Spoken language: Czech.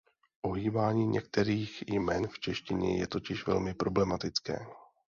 Ohýbání některých jmen v češtině je totiž velmi problematické.